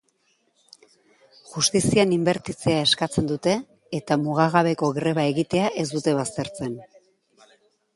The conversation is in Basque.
Justizian inbertitzea eskatzen dute eta mugagabeko greba egitea ez dute baztertzen.